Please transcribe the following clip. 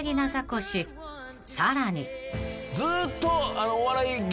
［さらに］